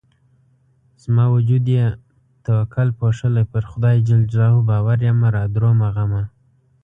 زما وجود يې توکل پوښلی پر خدای ج باور يمه رادرومه غمه